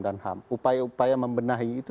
dan ham upaya upaya membenahi itu